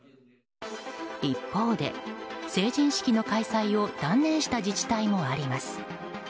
一方で、成人式の開催を断念した自治体もあります。